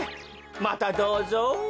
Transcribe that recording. またどうぞ。